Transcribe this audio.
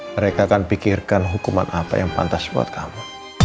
mereka akan pikirkan hukuman apa yang pantas buat kamu